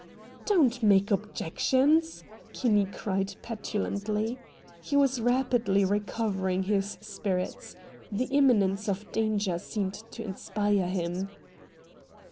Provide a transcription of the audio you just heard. "Don't make objections!" Kinney cried petulantly. He was rapidly recovering his spirits. The imminence of danger seemed to inspire him.